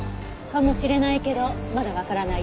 かもしれないけどまだわからない。